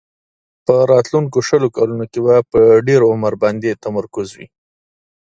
په راتلونکو شلو کلونو کې به په ډېر عمر باندې تمرکز وي.